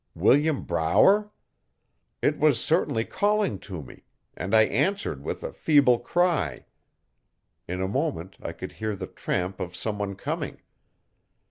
William Brower? It was certainly calling to me, and I answered with a feeble cry. In a moment I could hear the tramp of someone coming.